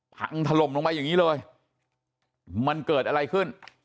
พังถล่มลงไปอย่างนี้เลยมันเกิดอะไรขึ้น